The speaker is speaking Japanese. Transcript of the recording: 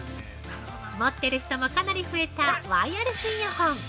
持ってる人もかなり増えたワイヤレスイヤホン。